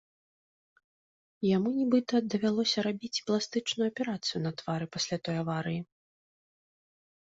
Яму нібыта давялося рабіць і пластычную аперацыю на твары пасля той аварыі.